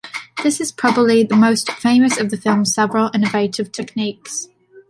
This is probably the most famous of the film's several innovative techniques.